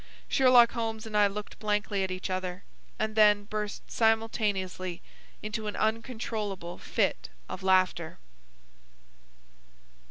Sherlock Holmes and I looked blankly at each other, and then burst simultaneously into an uncontrollable fit of laughter.